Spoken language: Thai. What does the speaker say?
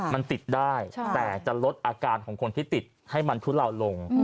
มันติดได้แต่จะลดอาการของคนที่ติดให้มันทุเลาลง